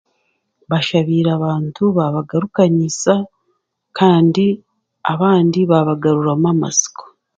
Bashabaire abantu baabagarukanyisa kandi abandi baabagaruramu amatsiko